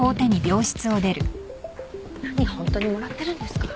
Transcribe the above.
何ホントにもらってるんですか。